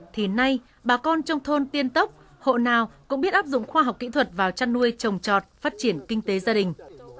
thì nay bà con trong thôn tiên tốc hộ nào cũng biết áp dụng khoa học kỹ thuật vào chăn nuôi trồng trọt phát triển kinh tế gia đình